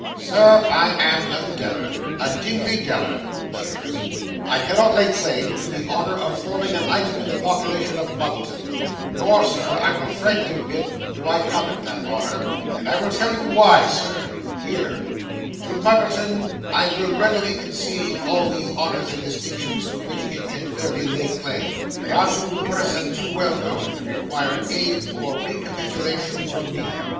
Sir, I am a Deller a Dingley Deller (cheers). I cannot lay claim to the honour of forming an item in the population of Muggleton; nor, Sir, I will frankly admit, do I covet that honour: and I will tell you why, Sir (hear); to Muggleton I will readily concede all these honours and distinctions to which it can fairly lay claim they are too numerous and too well known to require aid or recapitulation from me.